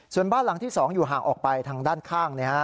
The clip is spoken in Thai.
ส่วนบ้านหลังที่๒อยู่ห่างออกไปทางด้านข้าง